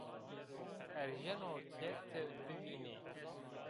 Erjeno ke ti bivînî